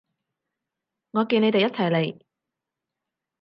我見你哋一齊嚟